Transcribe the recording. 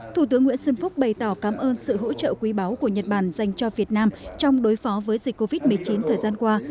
thủ tướng nguyễn xuân phúc bày tỏ cảm ơn sự hỗ trợ quý báu của nhật bản dành cho việt nam trong đối phó với dịch covid một mươi chín thời gian qua